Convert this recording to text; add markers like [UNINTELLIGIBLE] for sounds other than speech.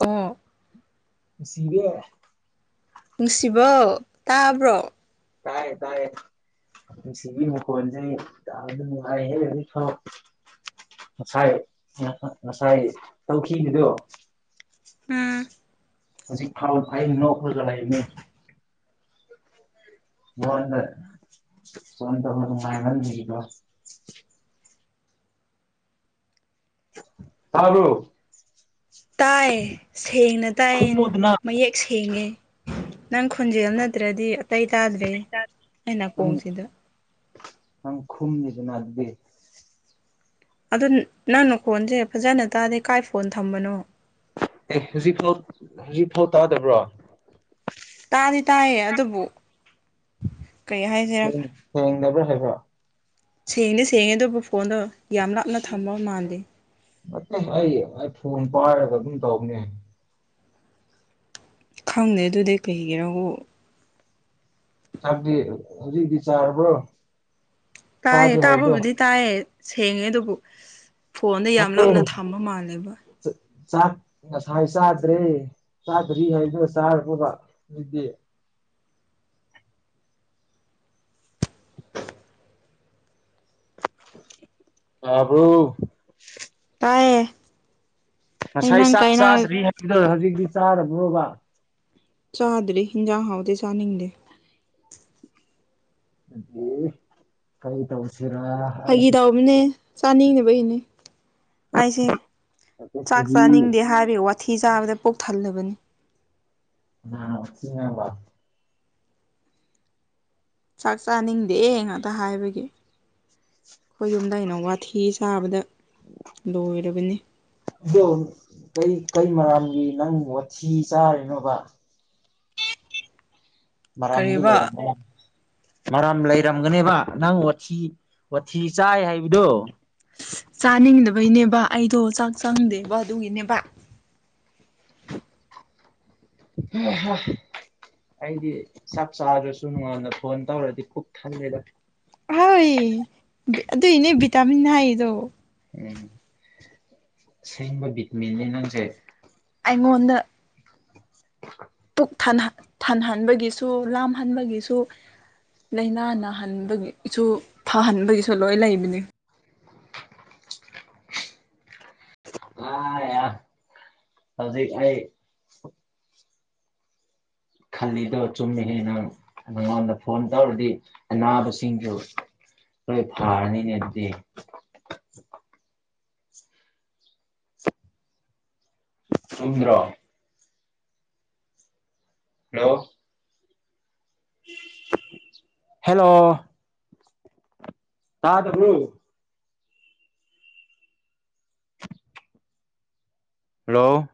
ꯎꯝ [UNINTELLIGIBLE] ꯅꯨꯡꯁꯤꯕꯧ ꯇꯥꯕ꯭ꯔꯣ ꯇꯥꯏ ꯇꯥꯏ ꯅꯨꯡꯁꯤꯕꯤ ꯃꯈꯣꯟꯁꯦ ꯇꯥꯕꯗ ꯅꯨꯉꯥꯏꯍꯦ ꯉꯁꯥꯏ ꯉꯁꯥꯏ ꯇꯧꯈꯤꯕꯗꯣ ꯎꯝ ꯍꯧꯖꯤꯛ ꯐꯥꯎ ꯑꯩ ꯅꯣꯛꯄꯗ ꯂꯣꯏꯕꯅꯦ ꯃꯉꯣꯟꯗ ꯐꯣꯟ ꯇꯧꯕ ꯅꯨꯡꯉꯥꯏꯃꯟꯕꯒꯤꯀꯣ ꯇꯥꯕ꯭ꯔꯣ ꯇꯥꯏ ꯁꯦꯡꯅ ꯇꯥꯏꯌꯦ ꯈꯨꯝꯃꯣꯗꯅ ꯃꯌꯦꯛ ꯁꯦꯡꯉꯦ ꯅꯪ ꯈꯨꯣꯟꯖꯦꯜ ꯅꯠꯇ꯭ꯔꯗꯤ ꯑꯇꯩ ꯇꯥꯗ꯭ꯔꯦ ꯑꯩ ꯅꯥꯀꯣꯡꯁꯤꯗ ꯈꯨꯨꯝꯃꯨꯗꯅ ꯑꯗꯨꯗꯤ ꯑꯗꯨ ꯅꯪꯅ ꯈꯣꯟꯁꯦ ꯐꯖꯅ ꯇꯥꯗꯦ ꯀꯥꯏ ꯐꯣꯟ ꯊꯝꯕꯅꯣ ꯑꯦ ꯍꯧꯖꯤꯛꯐꯥꯎ ꯍꯧꯖꯤꯛꯐꯥꯎ ꯇꯥꯗꯕ꯭ꯔꯣ ꯇꯥꯗꯤ ꯇꯥꯏꯌꯦ ꯑꯗꯨꯕꯨ ꯀꯩ ꯍꯥꯏꯁꯤꯔꯥ ꯊꯦꯡꯅꯕ꯭ꯔꯥ ꯍꯥꯏꯕ ꯁꯦꯡꯗꯤ ꯁꯦꯡꯉꯦ ꯑꯗꯨꯕꯨ ꯐꯣꯟꯗꯣ ꯌꯥꯝ ꯂꯥꯞꯅ ꯊꯃ ꯃꯥꯥꯟꯜꯂꯤ ꯑꯩ ꯑꯩ ꯐꯣꯟ ꯄꯥꯏꯔꯒ ꯑꯗꯨꯝ ꯇꯧꯕꯅꯦ ꯈꯪꯗꯦ ꯑꯗꯨꯗꯤ ꯀꯩꯒꯤꯅꯣꯕꯨ ꯆꯥꯛꯇꯤ ꯍꯧꯖꯤꯛ ꯆꯥꯔꯕꯣ ꯇꯥꯏꯍꯦ ꯇꯥꯕꯕꯨꯗꯤ ꯇꯥꯏꯌꯦ ꯁꯦꯡꯉꯦ ꯑꯗꯨꯕꯨ ꯐꯣꯟꯗꯣ ꯌꯥꯝ ꯅꯠꯇꯦ ꯂꯥꯞꯅ ꯊꯝꯕ ꯃꯥꯜꯂꯦꯕ ꯆ ꯆꯥꯛ ꯉꯁꯥꯏ ꯆꯥꯗ꯭ꯔꯦ ꯆꯥꯗ꯭ꯔꯤ ꯍꯥꯏꯗꯨꯅ ꯆꯥꯔꯕꯣ ꯇꯥꯕꯔꯣ ꯇꯥꯏꯌꯦ ꯑꯩ ꯉꯁꯥꯏ ꯅꯪ ꯆꯥꯛ ꯀꯥꯏꯅ ꯆꯥꯗ꯭ꯔꯤ ꯍꯥꯏꯕ ꯍꯧꯖꯤꯛꯇꯤ ꯆꯥꯔꯕ꯭ꯔꯣꯕ ꯆꯥꯗ꯭ꯔꯤ ꯌꯦꯟꯖꯥꯡ ꯍꯥꯎꯇꯦ ꯆꯥꯅꯤꯡꯗꯦ ꯑꯗꯨꯗꯤ ꯀꯩ ꯇꯧꯁꯤꯔꯥ ꯍꯥꯏꯁꯤ ꯆꯥꯅꯤꯡꯗꯕꯒꯤꯅꯤ ꯑꯩꯁꯦ ꯆꯥꯛ ꯁꯒꯤ ꯆꯥꯅꯤꯡꯗꯦ ꯍꯥꯏꯕꯒꯤ ꯋꯥꯠ ꯋꯥꯊꯤ ꯆꯥꯕꯗ ꯄꯨꯛ ꯊꯜꯂꯕꯅꯤ ꯀꯅꯅ ꯋꯥꯊꯤ ꯉꯥꯡꯕ ꯆꯥꯛ ꯆꯥꯅꯤꯡꯗꯦ ꯉꯥꯛꯇ ꯍꯥꯏꯕꯒꯤ ꯑꯩꯈꯣꯏ ꯌꯨꯝꯗꯩꯅꯦ ꯋꯥꯊꯤꯁꯤ ꯆꯥꯕꯗ ꯂꯣꯏꯔꯕꯅꯤ ꯑꯗꯣ ꯀꯩ ꯃꯔꯥꯜꯒꯤ ꯅꯪ ꯋꯥꯊꯤ ꯆꯥꯔꯤꯅꯣꯕ ꯃꯔꯥꯜ ꯑꯝꯗꯤ ꯀꯔꯤꯕ ꯂꯩꯔ ꯃꯔꯝ ꯂꯩꯔꯝꯒꯅꯦꯕ ꯅꯪ ꯋꯥꯊꯤ ꯋꯥꯊꯤ ꯆꯥꯏ ꯍꯥꯏꯕꯗꯣ ꯆꯥꯅꯤꯡꯗꯕꯩꯅꯦꯕ ꯑꯩꯗꯣ ꯆꯥꯛ ꯆꯪꯗꯦꯕ ꯑꯗꯨꯒꯤꯅꯦꯕ [INAUDIBLE] ꯎꯝ ꯍꯥ [UNINTELLIGIBLE] ꯑꯩꯗꯤ ꯆꯥꯛ ꯆꯥꯗ꯭ꯔꯁꯨ ꯃꯤꯉꯣꯟꯗ ꯐꯣꯟ ꯇꯧꯔꯗꯤ ꯄꯨꯛ ꯊꯜꯂꯦꯗ ꯍꯣꯏ ꯑꯗꯨꯏꯅꯦ ꯚꯤꯇꯥꯃꯤꯟ ꯍꯥꯏꯗꯣ ꯎꯝ ꯁꯦꯡꯕ ꯕꯤꯠꯃꯤꯟꯅꯅꯤ ꯅꯪꯁꯦ ꯑꯩꯉꯣꯟꯗ ꯄꯨꯛ ꯊꯟꯍꯟꯕꯒꯤꯁꯨ ꯂꯥꯝꯍꯟꯕꯒꯤꯁꯨ ꯂꯥꯏꯅꯥ ꯅꯥꯍꯟꯕꯒꯤꯁꯨ ꯐꯍꯟꯕꯒꯤꯁꯨ ꯂꯣꯏ ꯂꯩꯕꯅꯤ ꯑ ꯌꯥ ꯍꯧꯖꯤꯛ ꯑꯩ ꯈꯜꯂꯤꯗꯣ ꯆꯨꯝꯃꯤꯍꯦ ꯅꯪ ꯅꯉꯣꯟꯗ ꯐꯣꯟ ꯇꯧꯔꯗꯤ ꯑꯅꯥꯕꯁꯤꯡꯗꯨ ꯑꯩꯈꯣꯏ ꯐꯥꯔꯅꯤꯅꯦ ꯑꯗꯨꯗꯤ ꯆꯨꯝꯗ꯭ꯔꯣ ꯍꯜꯂꯣ ꯍꯜꯂꯣ ꯇꯗꯕ꯭ꯔꯣ ꯍꯜꯂꯣ